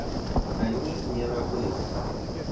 Они не рабы!